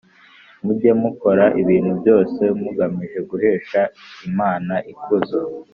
Mujye mukora ibintu byose mugamije guhesha Imana ikuzo